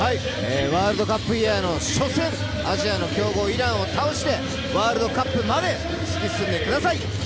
ワールドカップイヤーの初戦、アジアの強豪イランを倒して、ワールドカップまで突き進んでください！